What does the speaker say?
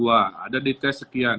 ada dites sekian